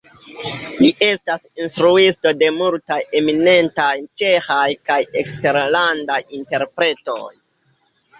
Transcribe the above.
Li estas instruisto de multaj eminentaj ĉeĥaj kaj eksterlandaj interpretoj.